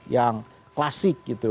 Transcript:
yang klasik gitu